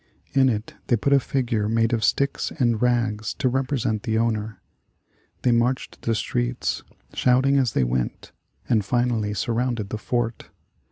In it they put a figure made of sticks and rags to represent the owner. They marched the streets, shouting as they went, and finally surrounded the fort.